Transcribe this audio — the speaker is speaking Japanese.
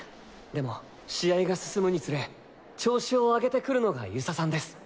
でも試合が進むにつれ調子を上げてくるのが遊佐さんです。